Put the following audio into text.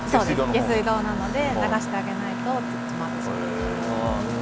下水道なので流してあげないと詰まってしまいますね。